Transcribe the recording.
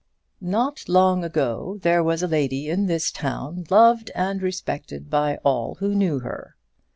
"Not long ago there was a lady in this town, loved and respected by all who knew her."